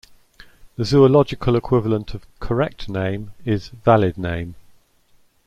The zoological equivalent of "correct name" is "valid name".